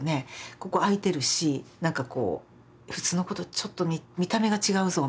ここあいてるしなんかこう普通の子とちょっと見た目が違うぞみたいな。